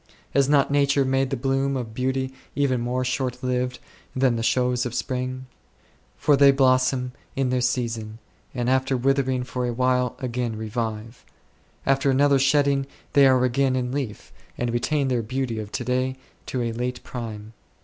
Has not Nature made the bloom of beauty even more shortlived than the shows of spring ? For they blossom in their season, and after withering for a while again revive ; after another shedding they are again, in leaf, and retain their beauty of to day to a late prime.